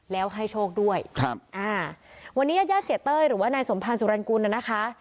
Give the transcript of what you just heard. แล้วให้โชคด้วยครับอ่าวันนี้ญาติญาติเสียเต้ยหรือว่านายสมพันธ์สุรรณกุลน่ะนะคะ